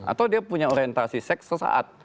atau dia punya orientasi seks sesaat